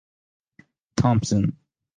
Thompson.